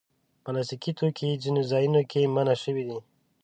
پلاستيکي توکي ځینو ځایونو کې منع شوي دي.